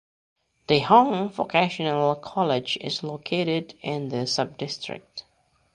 Dehong Vocational College is located in the subdistrict.